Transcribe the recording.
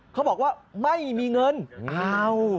เขาบอกว่าไม่มีเงินอ้าว